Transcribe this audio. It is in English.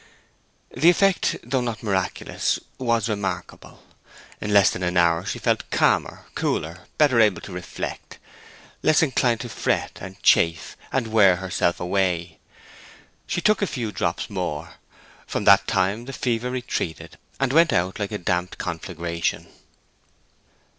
The effect, though not miraculous, was remarkable. In less than an hour she felt calmer, cooler, better able to reflect—less inclined to fret and chafe and wear herself away. She took a few drops more. From that time the fever retreated, and went out like a damped conflagration.